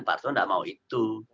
pak arsul tidak mau itu